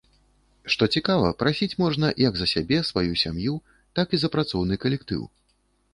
Што цікава, прасіць можна як за сябе, сваю сям'ю, так і за працоўны калектыў.